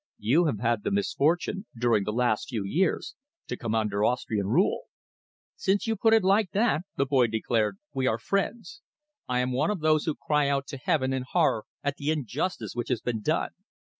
You have had the misfortune, during the last few years, to come under Austrian rule." "Since you put it like that," the boy declared, "we are friends. I am one of those who cry out to Heaven in horror at the injustice which has been done.